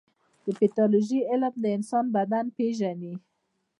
د پیتالوژي علم د انسان بدن پېژني.